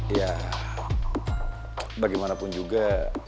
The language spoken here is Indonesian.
ya bagaimanapun juga